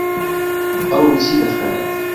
ئەو ڕووسی دەخوێنێت.